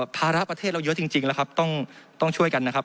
ภาระประเทศเราเยอะจริงแล้วครับต้องช่วยกันนะครับ